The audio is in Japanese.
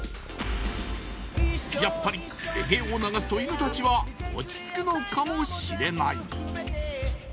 やっぱりレゲエを流すと犬達は落ち着くのかもしれない